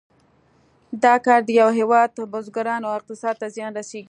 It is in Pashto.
دا کار د یو هېواد بزګرانو او اقتصاد ته زیان رسیږي.